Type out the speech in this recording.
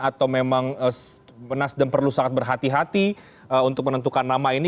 atau memang nasdem perlu sangat berhati hati untuk menentukan nama ini